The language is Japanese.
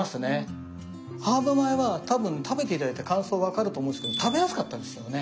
ハーブ米は多分食べて頂いた感想わかると思うんですけど食べやすかったですよね。